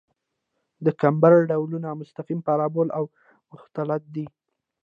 د کمبر ډولونه مستقیم، پارابول او مختلط دي